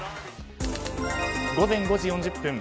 午前５時４０分。